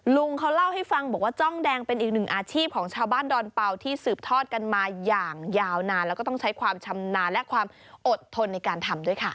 ลุงเขาเล่าให้ฟังบอกว่าจ้องแดงเป็นอีกหนึ่งอาชีพของชาวบ้านดอนเป่าที่สืบทอดกันมาอย่างยาวนานแล้วก็ต้องใช้ความชำนาญและความอดทนในการทำด้วยค่ะ